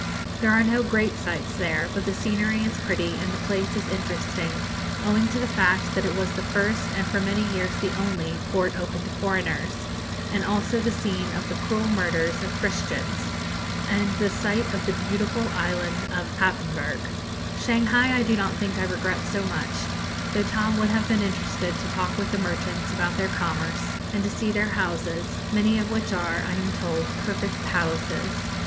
There are no great sights there, but the scenery is pretty, and the place is interesting owing to the fact that it was the first and for many years the only, port open to foreigners, and also the scene of the cruel murders of Christians and the site of the beautiful island of Pappenberg. Shanghai I do not think I regret so much, though Tom would have been interested to talk with the merchants about their commerce, and to see their houses, many of which are, I am told, perfect palaces.